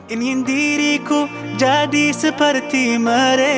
ingin diriku jadi seperti mereka